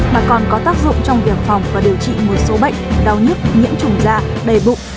mà còn có tác dụng trong việc phòng và điều trị một số bệnh đau nhức nhiễm trùng da bề bụng